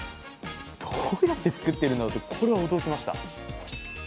どうやって作ってるんだろう、これは驚きました。